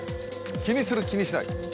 気にする気にしない。